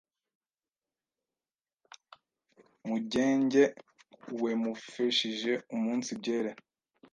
Mugenge wemufeshije umunsibyere